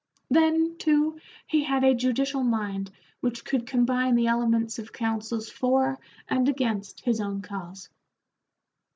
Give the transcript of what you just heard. Then, too, he had a judicial mind which could combine the elements of counsels for and against his own cause.